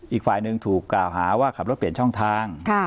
อีกฝ่ายหนึ่งถูกกล่าวหาว่าขับรถเปลี่ยนช่องทาง